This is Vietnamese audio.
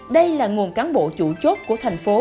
đây là nguồn cán bộ chủ chốt của thành phố